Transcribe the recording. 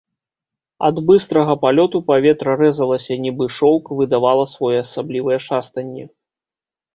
Ад быстрага палёту паветра рэзалася, нібы шоўк, выдавала своеасаблівае шастанне.